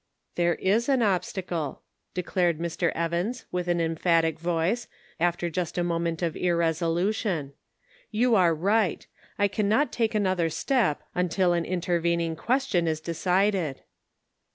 "There is an obstacle," declared Mr. Evans in an emphatic voice, after just a moment of irresolution ;" you are right ! I cannot take another step until an intervening question is decided."